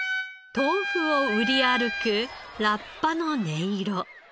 豆腐を売り歩くラッパの音色。